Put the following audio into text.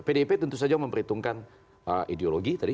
pdip tentu saja memperhitungkan ideologi tadi